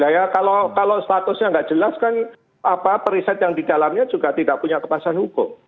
ya kalau statusnya tidak jelas kan periset yang di dalamnya juga tidak punya kepentingan